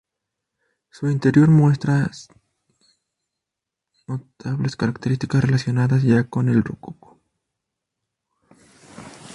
Su interior muestra notables características relacionadas ya con el rococó.